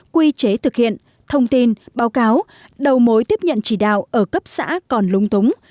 quy chế thực hiện thông tin báo cáo đầu mối tiếp nhận chỉ đạo ở cấp xã còn lúng túng